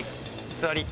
座り？